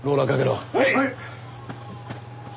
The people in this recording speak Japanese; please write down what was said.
はい！